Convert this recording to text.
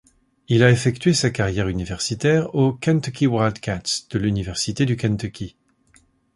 Il a effectué sa carrière universitaire aux Kentucky Wildcats de l'université du Kentucky.